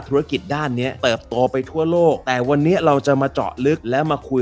ธุรกิจด้านเนี้ยเติบโตไปทั่วโลกแต่วันนี้เราจะมาเจาะลึกแล้วมาคุย